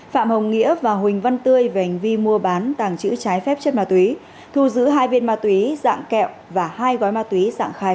phạm hồng nghĩa và huỳnh văn tươi về hành vi mua bán tàng trữ trái phép chất ma túy thu giữ hai viên ma túy dạng kẹo và hai gói ma túy dạng khai